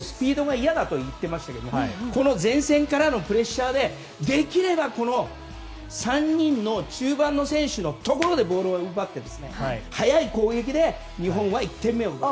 前田選手、伊東選手も先ほど、スピードが嫌だと言っていましたけど前線からのプレッシャーでできればこの３人の中盤の選手のところでボールを奪って、速い攻撃で日本は１点目を奪う。